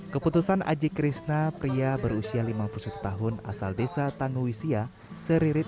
keputusan ajik krishna pria berusia lima puluh satu tahun asal desa tanggung wisya seririt